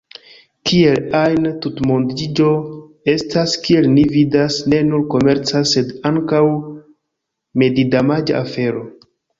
Kiel ajn, tutmondiĝo estas, kiel ni vidas, ne nur komerca sed ankaŭ medidamaĝa afero.